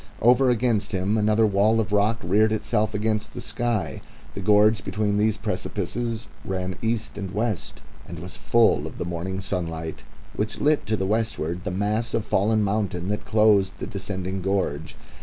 Over against him another wall of rock reared itself against the sky. The gorge between these precipices ran east and west and was full of the morning sunlight, which lit to the westward the mass of fallen mountain that closed the descending gorge.